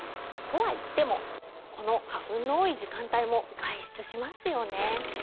とはいってもこの花粉の多い時間帯も外出しますよね。